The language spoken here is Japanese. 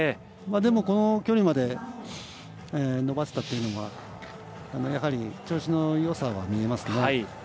でも、この距離まで伸ばしたというのは調子のよさは見えますね。